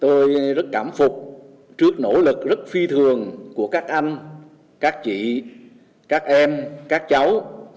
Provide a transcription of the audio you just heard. tôi rất cảm phục trước nỗ lực rất phi thường của các anh các chị các em các cháu